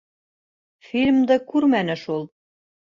Фильмды күрмәне шул.